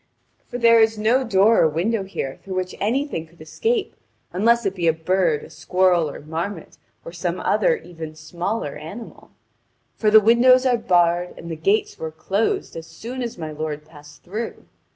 For there is no door or window here through which anything could escape, unless it be a bird, a squirrel, or marmot, or some other even smaller animal; for the windows are barred, and the gates were closed as soon as my lord passed through.